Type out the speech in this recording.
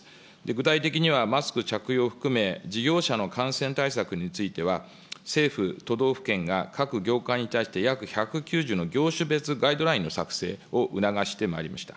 具体的にはマスク着用を含め、事業者の感染対策については、政府、都道府県が各業界に対して、約１９０の業種別ガイドラインの作成を促してまいりました。